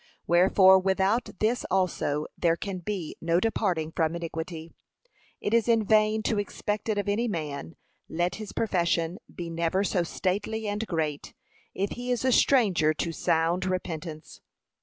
Wherefore, without this also there can be no departing from iniquity. It is in vain to expect it of any man, let his profession be never so stately and great, if he is a stranger to sound repentance.